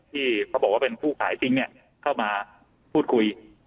ที่เขาบอกว่าเป็นผู้ขายจริงเข้ามาพูดคุย